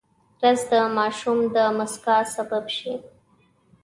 رس د ماشوم د موسکا سبب شي